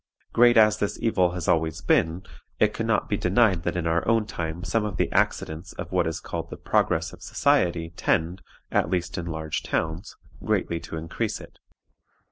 Great as this evil has always been, it can not be denied that in our own time some of the accidents of what is called the progress of society tend, at least in large towns, greatly to increase it.